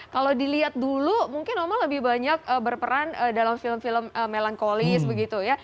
kalau dilihat dulu mungkin oma lebih banyak berperan dalam film film melankolis begitu ya